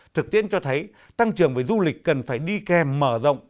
thực tiễn cho thấy tăng trưởng về du lịch cần phải đi kèm mở rộng